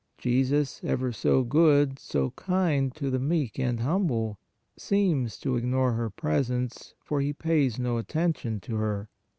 Jesus, ever so good, so kind to the meek and humble, seems to ignore her presence, for He pays no attention to her.